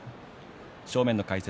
正面の解説